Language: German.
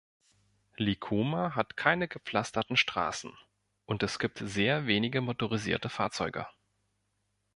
Likoma hat keine gepflasterten Straßen, und es gibt sehr wenige motorisierte Fahrzeuge.